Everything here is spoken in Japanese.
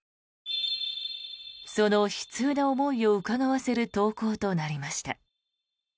その悲痛な思いをうかがわせる投稿となりました。